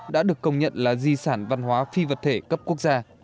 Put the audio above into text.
đã được công nhận là di sản văn hóa phi vật thể cấp quốc gia